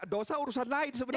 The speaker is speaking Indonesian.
dosa urusan lain sebenarnya